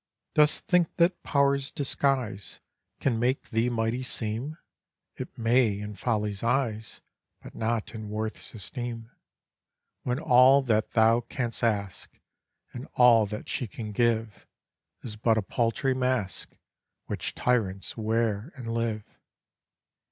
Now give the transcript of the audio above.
Dost think that power's disguise Can make thee mighty seem? It may in folly's eyes, But not in worth's esteem: When all that thou canst ask, And all that she can give, Is but a paltry mask Which tyants wear and live.